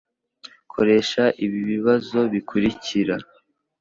Koresha ibi bibazo bikurikira